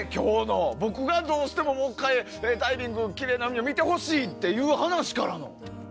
僕がどうしてももう１回、ダイビングできれいな海を見てほしいっていう話からの。